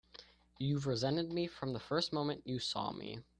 You've resented me from the first moment you saw me!